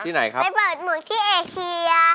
ไหนครับไปเปิดหมึกที่เอเชีย